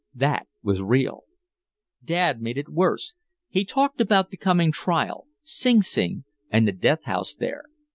That was real. Dad made it worse. He talked about the coming trial, Sing Sing and the death house there.